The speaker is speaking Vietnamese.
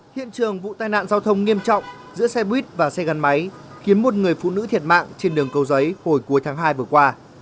hiện trường vụ tai nạn giao thông nghiêm trọng giữa xe buýt và xe gắn máy khiến một người phụ nữ thiệt mạng trên đường cầu giấy hồi cuối tháng hai vừa qua